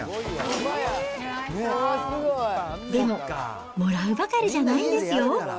でももらうばかりじゃないんですよ。